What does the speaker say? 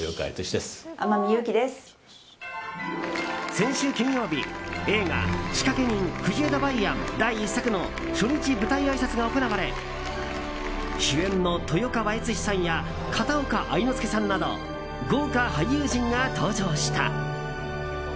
先週金曜日、映画「仕掛人・藤枝梅杏」の第１作の初日舞台あいさつが行われ主演の豊川悦司さんや片岡愛之助さんなど豪華俳優陣が登場した。